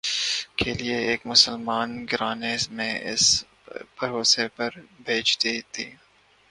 کے لئے ایک مسلمان گھرانے میں اِس بھروسے پر بھیج دی تھی